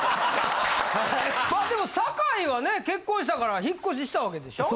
まあでも坂井はね結婚したから引っ越ししたわけでしょ？